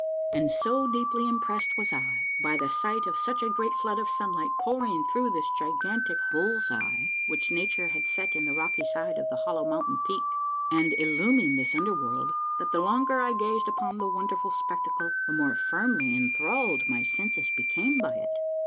And so deeply impressed was I by the sight of such a great flood of sunlight pouring through this gigantic hull's eye which nature had set in the rocky side of the hollow mountain peak and illumining this under world, that the longer I gazed upon the wonderful spectacle the more firmly inthralled my senses became by it.